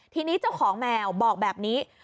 ทีนี้เจ้าของแมวบอกแบบนี้